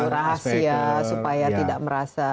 rahasia supaya tidak merasa